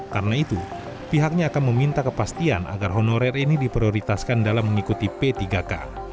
karena itu pihaknya akan meminta kepastian agar honorer ini diprioritaskan dalam mengikuti p tiga k